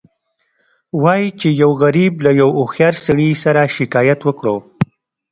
وایي چې یو غریب له یو هوښیار سړي سره شکایت وکړ.